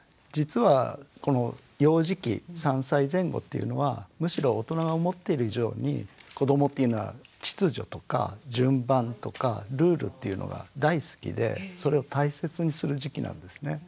実はこの幼児期３歳前後っていうのはむしろ大人が思っている以上に子どもっていうのは秩序とか順番とかルールっていうのが大好きでそれを大切にする時期なんですね。